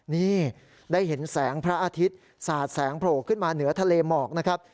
นี่ได้เห็นแสงพระอาทิตย์สาดแสงโผล่ขึ้นมาเหนือทะเลหมอกนะครับ